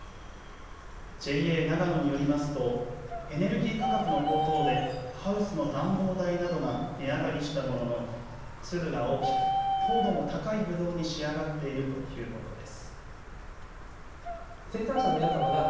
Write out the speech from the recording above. ＪＡながのによりますとエネルギー価格の高騰でハウスの暖房代などが値上がりしたものの粒が大きく糖度も高いぶどうに仕上がっているということです。